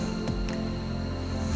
habis ini kita cari makan